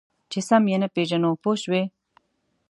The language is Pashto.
چې سم یې نه پېژنو پوه شوې!.